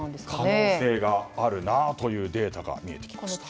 可能性があるなというデータが見えてきました。